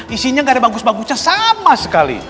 isinya gak ada bagus bagusnya sama sekali